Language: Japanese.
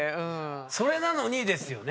それなのにですよね。